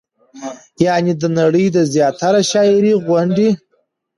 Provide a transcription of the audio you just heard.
يعنې د نړۍ د زياتره شاعرۍ غوندې